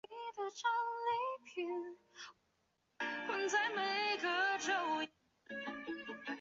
站起来是西班牙巴斯克自治区的一个已不存在的左翼政党。